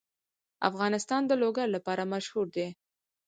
افغانستان د لوگر لپاره مشهور دی.